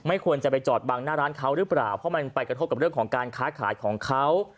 ควรจะไปจอดบังหน้าร้านเขาหรือเปล่าเพราะมันไปกระทบกับเรื่องของการค้าขายของเขา